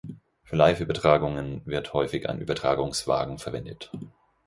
Für Liveübertragungen wird häufig ein Übertragungswagen verwendet.